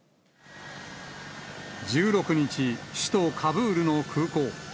１６日、首都カブールの空港。